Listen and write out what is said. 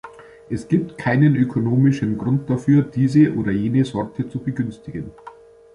Es gibt keinen ökonomischen Grund dafür, diese oder jene Sorte zu begünstigen.